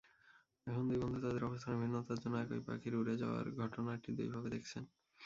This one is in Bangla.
এখন দুই বন্ধু তাঁদের অবস্থানের ভিন্নতার জন্য একই পাখির উড়ে যাওয়ার ঘটনাটি দুইভাবে দেখছেন।